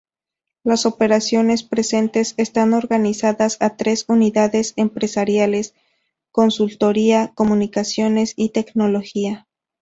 Las operaciones presentes están organizadas a tres unidades empresariales, consultoría, comunicaciones y tecnología.